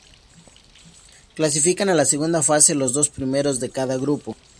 Clasifican a la segunda fase los dos primeros de cada grupo.